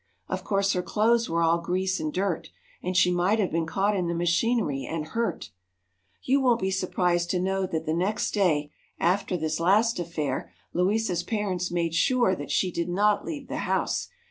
Of course her clothes were all grease and dirt, and she might have been caught in the machinery and hurt. You won't be surprised to know that the next day after this last affair Louisa's parents made sure that she did not leave the house.